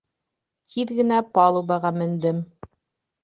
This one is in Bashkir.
Тиҙ генә палубаға мендем.